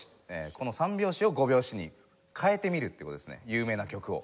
この３拍子を５拍子に変えてみるっていう事ですね有名な曲を。